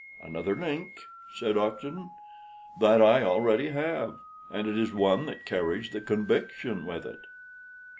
"Another link?" said Oxenden. "That I already have; and it is one that carries conviction with it."